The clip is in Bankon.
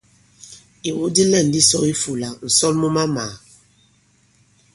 Ìwu di lɛ̂n di sɔ i ifūlā: ǹsɔn mu mamàà.